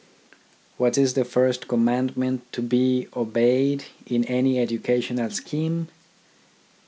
What is the first commandment to be obeyed in any educational scheme